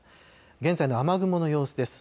現在の雨雲の様子です。